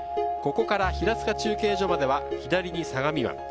ここから平塚中継所までは左に相模湾。